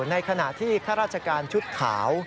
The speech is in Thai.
ในขณะที่ข้าราชการชุดขาว